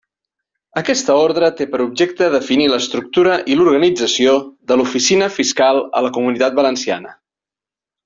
Aquesta ordre té per objecte definir l'estructura i l'organització de l'Oficina Fiscal a la Comunitat Valenciana.